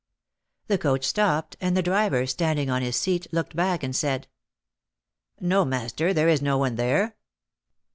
The coach stopped, and the driver, standing on his seat, looked back, and said: "No, master, there is no one there."